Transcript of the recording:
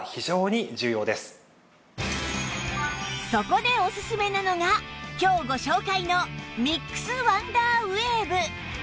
そこでおすすめなのが今日ご紹介のミックスワンダーウェーブ